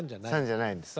３じゃないです。